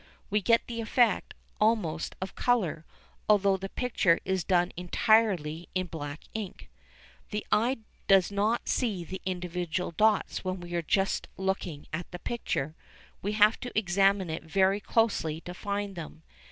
We get the effect almost of colour, although the picture is done entirely in black ink. The eye does not see the individual dots when we are just looking at the picture; we have to examine it very closely to find them.